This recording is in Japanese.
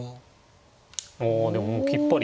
おでももうきっぱり。